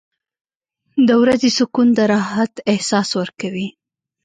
• د ورځې سکون د راحت احساس ورکوي.